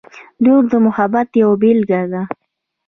• لور د محبت یوه بېلګه ده.